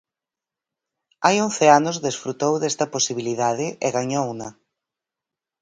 Hai once anos desfrutou desta posibilidade e gañouna.